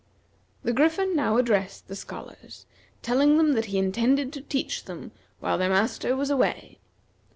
The Griffin now addressed the scholars, telling them that he intended to teach them while their master was away.